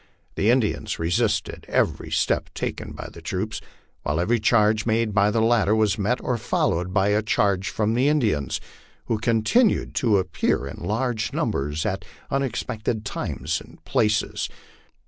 The Indians resisted every step taken by the troops, while every charge made by the latter was met or followed by a charge from the Indians, who continued to appear in large numbers at unexpected times and places.